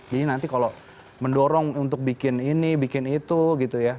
jadi nanti kalau mendorong untuk bikin ini bikin itu gitu ya